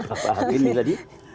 apa hal ini tadi